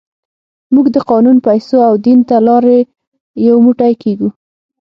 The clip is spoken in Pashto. موږ د قانون، پیسو او دین له لارې یو موټی کېږو.